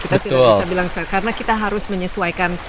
kita tidak bisa bilang karena kita harus menyesuaikan